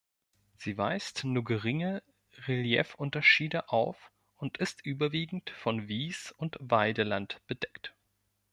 Sie weist nur geringe Reliefunterschiede auf und ist überwiegend von Wies- und Weideland bedeckt.